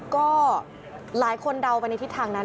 ก็หลายคนเดาไปในทิศทางนั้น